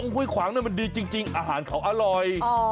ห้วยขวางมันดีจริงอาหารเขาอร่อย